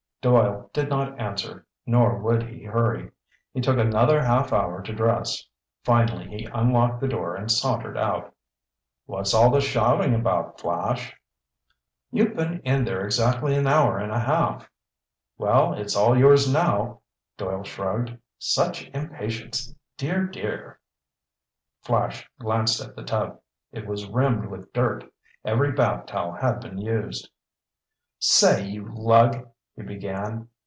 Doyle did not answer, nor would he hurry. He took another half hour to dress. Finally be unlocked the door and sauntered out. "What's all the shouting about, Flash?" "You've been in there exactly an hour and a half!" "Well, it's all yours now," Doyle shrugged. "Such impatience! Dear! Dear!" Flash glanced at the tub. It was rimmed with dirt. Every bath towel had been used. "Say, you lug—" he began.